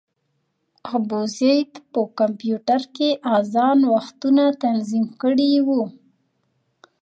ابوزید په کمپیوټر کې اذان وختونه تنظیم کړي وو.